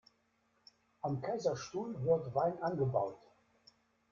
Am Kaiserstuhl wird Wein angebaut.